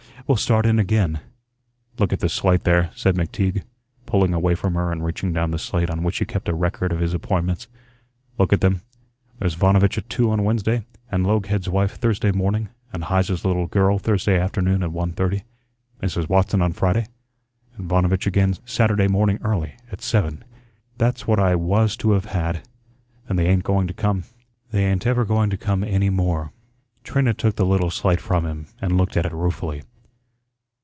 We'll start in again." "Look at the slate there," said McTeague, pulling away from her and reaching down the slate on which he kept a record of his appointments. "Look at them. There's Vanovitch at two on Wednesday, and Loughhead's wife Thursday morning, and Heise's little girl Thursday afternoon at one thirty; Mrs. Watson on Friday, and Vanovitch again Saturday morning early at seven. That's what I was to have had, and they ain't going to come. They ain't ever going to come any more." Trina took the little slate from him and looked at it ruefully.